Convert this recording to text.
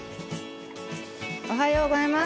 おはようございます。